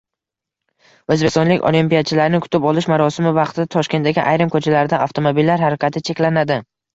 O‘zbekistonlik olimpiyachilarni kutib olish marosimi vaqtida Toshkentdagi ayrim ko‘chalarda avtomobillar harakati cheklanadi